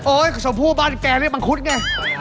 โอ๊ยชมผู้บ้านแกเรียกว่าบังคุดไง